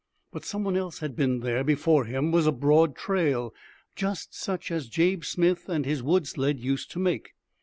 But some one else had been there; before him was a broad trail, just such as Jabe Smith and his wood sled used to make.